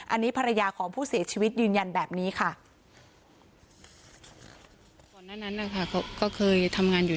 อันนี้ภรรยาของผู้เสียชีวิตยืนยันแบบนี้ค่ะ